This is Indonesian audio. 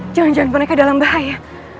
jangan jangan mereka dalam bahaya